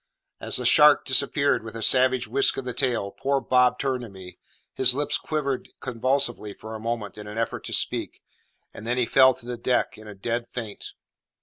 As the shark disappeared with a savage whisk of the tail, poor Bob turned to me; his lips quivered convulsively for a moment in an effort to speak, and then he fell to the deck in a dead faint.